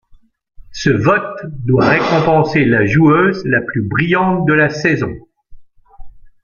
Ce vote doit récompenser la joueuse la plus brillante de la saison.